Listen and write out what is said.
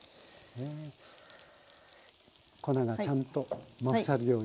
粉がちゃんとまぶさるように。